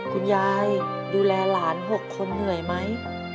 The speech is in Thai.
คุณยายดูแลหลานหกคนเหนื่อยมั้ย